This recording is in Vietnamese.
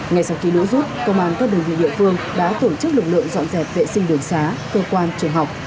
ngay sau khi lũ rút công an các đơn vị địa phương đã tổ chức lực lượng dọn dẹp vệ sinh đường xá cơ quan trường học